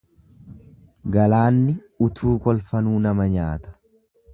Galaanni utuu kolfanuu nama nyaata.